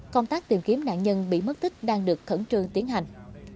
công tác tìm kiếm nạn nhân bị mất tích đang được khẩn trương tiến hành